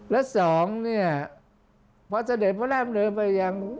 และสองพระเสด็จพระราชมนิยมไปยัง